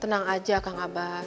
tenang aja kang abah